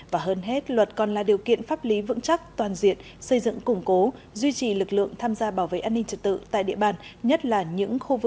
và hơn hết luật còn là điều kiện pháp lý vững chắc toàn diện xây dựng củng cố duy trì lực lượng tham gia bảo vệ an ninh trật tự tại địa bàn